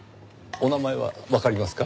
お名前はわかりますか？